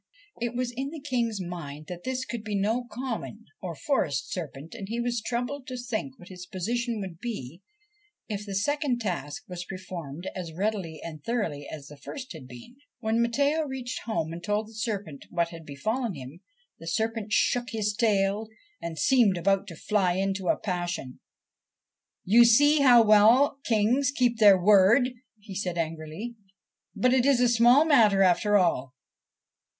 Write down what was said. It was in the King's mind that this could be no common or forest serpent, and he was troubled to think what his position would be if the second task was performed as readily and thoroughly as the first had been. When Matteo reached home and told the serpent what had befallen him, the serpent shook his tail and seemed about to fly into a passion. 'You see how well kings keep their word,' it said angrily. ' But it is a small matter after all.